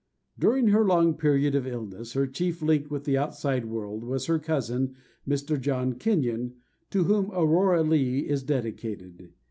During her long period of illness her chief link with the outside world was her cousin, Mr. John Kenyon, to whom Aurora Leigh is dedicated.